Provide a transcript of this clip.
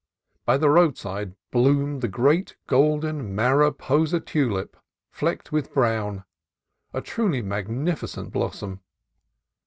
By the roadside bloomed the great golden Mariposa tulip, flecked with brown, a truly magnificent blos som.